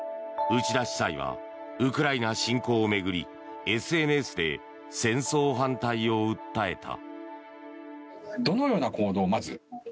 内田司祭はウクライナ侵攻を巡りＳＮＳで戦争反対を訴えた。